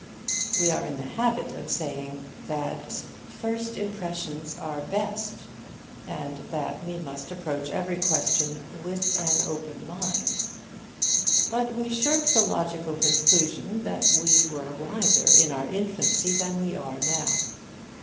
We are in the habit of saying that 'first impressions are best,' and that we must approach every question 'with an open mind'; but we shirk the logical conclusion that we were wiser in our infancy than we are now.